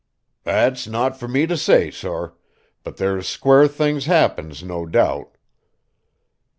"That's not for me to say, sor; but there's quare things happens, no doubt."